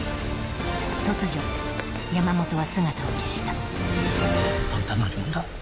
突如山本は姿を消したあんた何もんだ？